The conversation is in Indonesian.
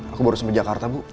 aku baru sama jakarta bu